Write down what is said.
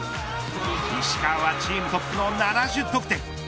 石川はチームトップの７０得点。